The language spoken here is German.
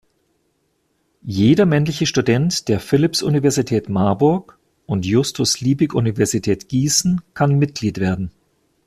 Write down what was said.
Jeder männliche Student der Philipps-Universität Marburg und Justus-Liebig-Universität Gießen kann Mitglied werden.